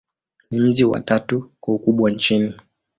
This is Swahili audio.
Ni mji wa tatu kwa ukubwa nchini.